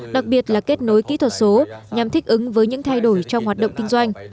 đặc biệt là kết nối kỹ thuật số nhằm thích ứng với những thay đổi trong hoạt động kinh doanh